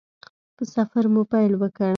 په سفر مو پیل وکړ.